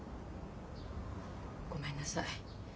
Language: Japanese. ごめんなさい。